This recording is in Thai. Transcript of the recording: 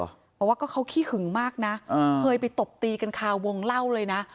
เพราะว่าก็เขาขี้ขึงมากนะเออเคยไปตบตีกันค่ะวงเล่าเลยน่ะ